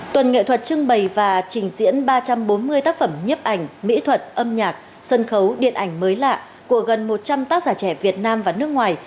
tuần nghệ thuật trưng bày và trình diễn ba trăm bốn mươi tác phẩm nhiếp ảnh mỹ thuật âm nhạc sân khấu điện ảnh mới lạ của gần một trăm linh tác giả trẻ việt nam và nước ngoài